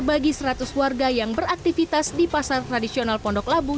bagi seratus warga yang beraktivitas di pasar tradisional pondok labu